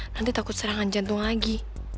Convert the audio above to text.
nanti takut serangan jantung lagi